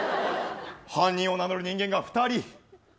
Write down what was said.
犯人を名乗る人間が２人。